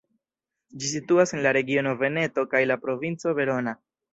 Ĝi situas en la regiono Veneto kaj la provinco Verona.